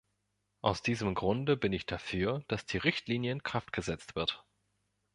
Aus diesem Grunde bin ich dafür, dass die Richtlinie in Kraft gesetzt wird.